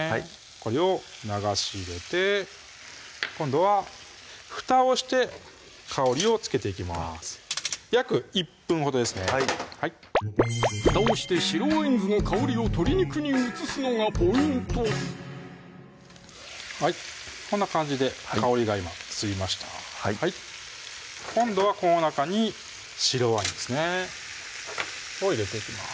これを流し入れて今度はふたをして香りをつけていきます約１分ほどですねはい蓋をして白ワイン酢の香りを鶏肉に移すのがポイントはいこんな感じで香りが今吸いました今度はこの中に白ワインですねを入れていきます